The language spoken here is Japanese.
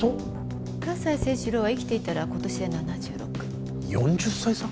葛西征四郎は生きていたら今年で７６４０歳差！？